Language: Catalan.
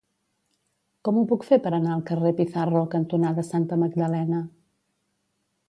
Com ho puc fer per anar al carrer Pizarro cantonada Santa Magdalena?